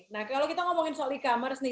nah kalau kita bicara soal e commerce